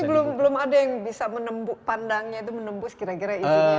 tapi belum ada yang bisa menembus pandangnya itu menembus kira kira isinya itu apa